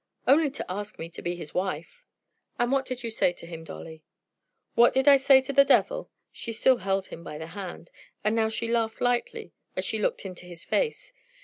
"Only to ask me to be his wife." "And what did you say to him, Dolly?" "What did I say to the Devil?" She still held him by the hand, and now she laughed lightly as she looked into his face.